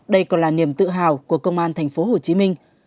đây còn là niềm tự hào của công an tp hcm